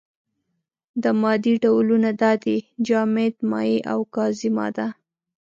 د مادې ډولونه دا دي: جامده، مايع او گازي ماده.